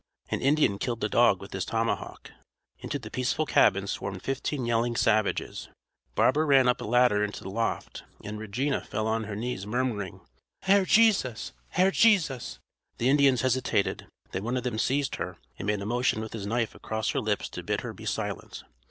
An Indian killed the dog with his tomahawk. Into the peaceful cabin swarmed fifteen yelling savages. Barbara ran up a ladder into the loft, and Regina fell on her knees, murmuring "Herr Jesus! Herr Jesus!" The Indians hesitated, then one of them seized her, and made a motion with his knife across her lips to bid her be silent.